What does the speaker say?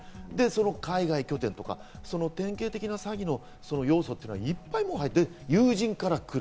海外拠点とか典型的な詐欺の要素というのはいっぱい友人から来る。